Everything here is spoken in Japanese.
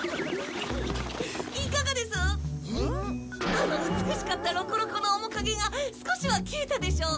あの美しかったロコロコの面影が少しは消えたでしょうか？